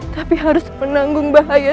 tapi harus menanggung bahaya